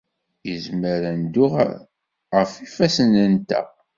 Nezmer ad neddu ɣef yifassen-nteɣ.